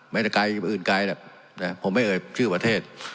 ไม่ได้ไกลอื่นไกลหรอกผมไม่เอ่ยชื่อประเทศ